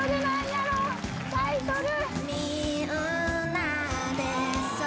タイトル